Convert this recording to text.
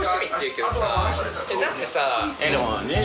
だってさ。